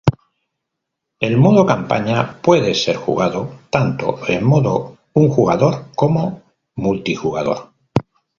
El modo "Campaña" puede ser jugado tanto en modo un jugador como multijugador.